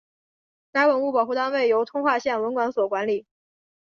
该文物保护单位由通化县文管所管理。